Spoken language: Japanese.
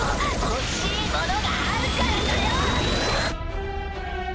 欲しいものがあるからだよ！